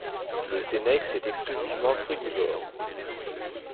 Le Senex est exclusivement frugivore.